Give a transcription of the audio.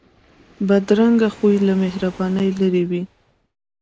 بدرنګه خوی له مهربانۍ لرې وي